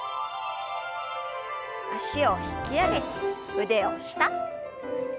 脚を引き上げて腕を下。